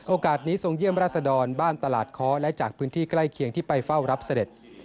โอกาสนี้ทรงเยี่ยมราชดรบ้านตลาดค้อและจากพื้นที่ใกล้เคียงที่ไปเฝ้ารับเสด็จ